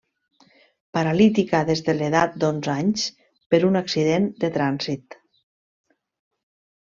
Paralítica des de l'edat d'onze anys per un accident de trànsit.